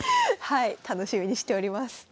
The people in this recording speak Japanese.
はい楽しみにしております。